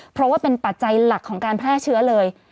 เพราะว่าเป็นปัจจัยหลักของการแพร่เชื้อเลย